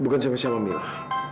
bukan siapa siapa mila